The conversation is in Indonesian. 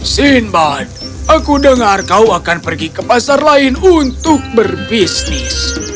sinbad aku dengar kau akan pergi ke pasar lain untuk berbisnis